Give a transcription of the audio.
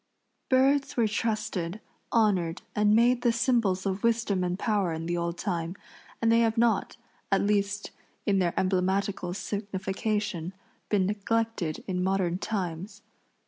Birds were trusted, honored and made the symbols of wisdom and power in the old time, and they have not, at least in their emblematical signification, been neglected in modern times.